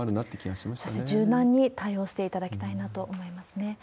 そして、柔軟に対応していただきたいなと思いますね。